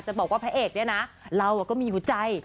บอกว่าพระเอกเนี่ยนะเราก็มีหัวใจ